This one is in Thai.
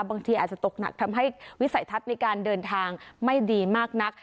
บางทีอาจจะตกหนักทำให้วิสัยทัศน์ในการเดินทางไม่ดีมากนัก